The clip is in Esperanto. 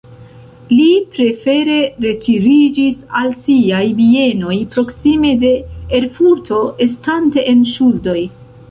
Li prefere retiriĝis al siaj bienoj proksime de Erfurto, estante en ŝuldoj.